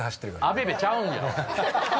アベベちゃうんじゃ。